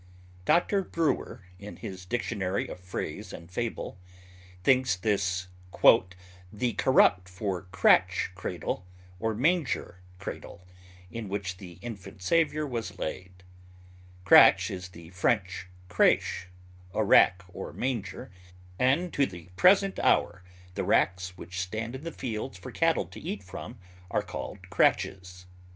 Dr. Brewer, in his "Dictionary of Phrase and Fable," thinks this "the corrupt for cratch cradle or manger cradle, in which the infant Saviour was laid. Cratch is the French crêche (a rack or manger), and to the present hour the racks which stand in the fields for cattle to eat from are called cratches."